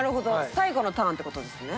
最後のターンって事ですね。